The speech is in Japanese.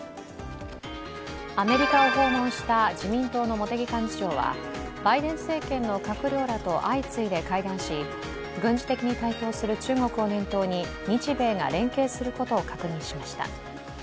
アメリカを訪問した自民党の茂木幹事長はバイデン政権の閣僚らと相次いで会談し、軍事的に台頭する中国を念頭に日米が連携することを確認しました。